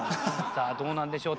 さあどうなんでしょう？